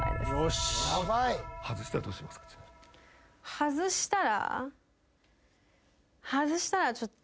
外したら？